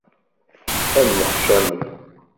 Ad nneḥcamen.